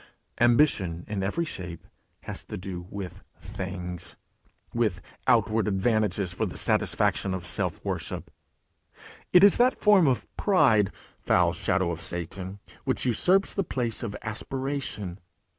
Ambition in every shape has to do with Things, with outward advantages for the satisfaction of self worship; it is that form of pride, foul shadow of Satan, which usurps the place of aspiration.